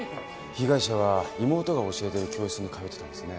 被害者は妹が教えている教室に通ってたんですね。